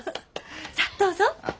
さっどうぞ。